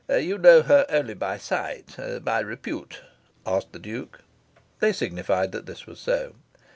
"You know her only by sight by repute?" asked the Duke. They signified that this was so.